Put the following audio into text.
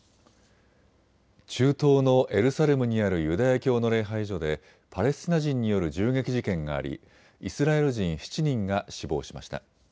中東のエルサレムにあるユダヤ教の礼拝所でパレスチナ人による銃撃事件がありイスラエル人７人が死亡しました。